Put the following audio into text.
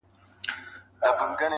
کم اصل ګل که بویوم ډک دي باغونه.!